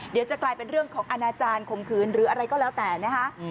เดี๋ยวจะกลายเป็นเรื่องของอาณาจารย์ข่มขืนหรืออะไรก็แล้วแต่นะคะ